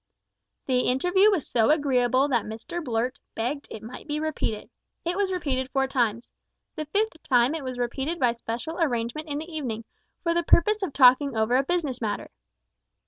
The interview was so agreeable that Mr Blurt begged it might be repeated. It was repeated four times. The fifth time it was repeated by special arrangement in the evening, for the purpose of talking over a business matter.